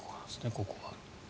ここは。